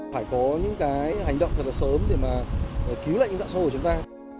phải có những cái hành động thật là sớm để mà cứu lại những dạng sâu của chúng ta